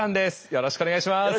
よろしくお願いします。